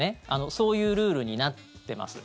そういうルールになっています。